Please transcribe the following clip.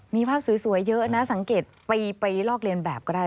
มีภาพสวยเยอะนะสังเกตไปลอกเรียนแบบก็ได้